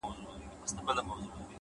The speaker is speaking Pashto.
د نورو درناوی خپله سترتیا ده,